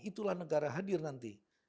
itulah negara hadir nanti